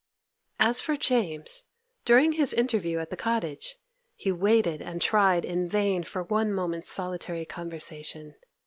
As for James, during his interview at the cottage, he waited and tried in vain for one moment's solitary conversation.